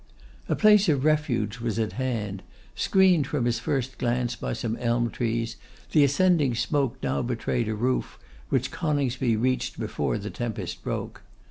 A place of refuge was at hand: screened from his first glance by some elm trees, the ascending smoke now betrayed a roof, which Coningsby reached before the tempest broke.